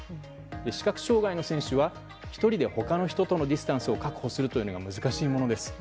視覚障害の選手は１人で他の人とのディスタンスを確保するというのが難しいものです。